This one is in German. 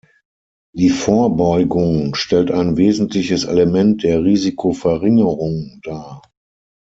Die Vorbeugung stellt ein wesentliches Element der Risikoverringerung dar.